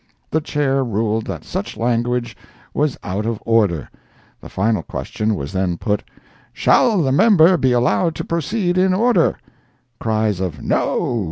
The Chair ruled that such language was out of order. The final question was then put, "Shall the member be allowed to proceed in order?" [Cries of "No!